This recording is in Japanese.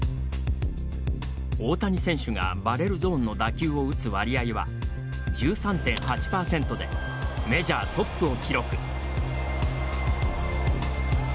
大谷選手がバレルゾーンの打球を打つ割合は１３．８％でメジャートップを記録。